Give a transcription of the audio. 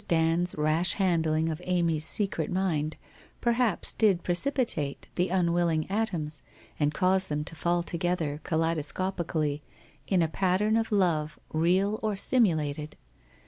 Dand's rash handling of Amy's secret mind perhaps did precipitate the unwilling atoms, and cause them to fall together kaleidoscopically, in a pattern of love, real, or simulated?